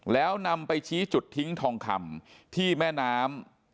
แล้วนำไปชี้จุดทิ้งทองคำที่แม่น้ำ